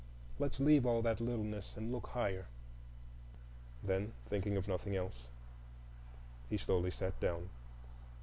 Let's leave all that littleness, and look higher." Then, thinking of nothing else, he slowly sat down.